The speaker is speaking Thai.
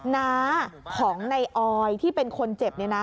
น้าของในออยที่เป็นคนเจ็บ